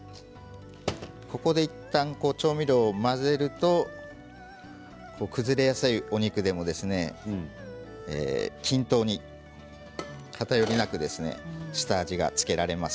ここでいったん調味料を混ぜると崩れやすいお肉でも均等に偏りなく下味が付けられます。